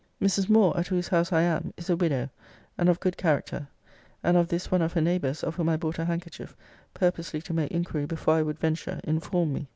Mrs. Moore, at whose house I am, is a widow, and of good character: and of this one of her neighbours, of whom I bought a handkerchief, purposely to make inquiry before I would venture, informed me.